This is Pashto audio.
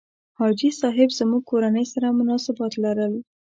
حاجي صاحب زموږ کورنۍ سره مناسبات لرل.